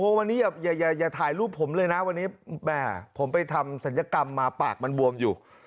วันนี้อย่าถ่ายรูปผมเลยนะวันนี้แม่ผมไปทำศัลยกรรมมาปากมันบวมอยู่